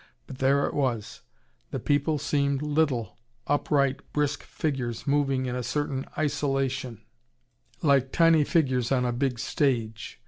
But there it was: the people seemed little, upright brisk figures moving in a certain isolation, like tiny figures on a big stage.